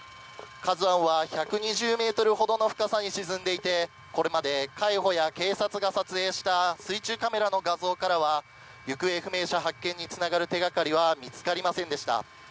「ＫＡＺＵ１」は１２０ｍほどの深さに沈んでいてこれまで海保や警察が撮影した水中カメラの画像からは行方不明者発見につながる手掛かりは見つかりませんでした。